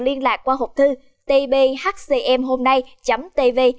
liên lạc qua hộp thư tbhcmhômnay tv